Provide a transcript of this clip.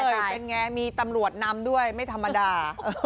เป็นไงมีตำรวจนำด้วยไม่ธรรมดา